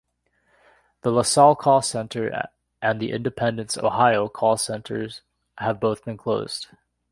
The LaSalle call center and the Independence, Ohio call centers have both been closed.